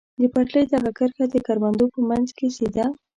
د پټلۍ دغه کرښه د کروندو په منځ کې سیده.